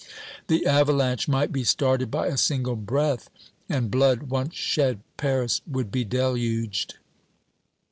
the avalanche might be started by a single breath; and blood once shed, Paris would be deluged!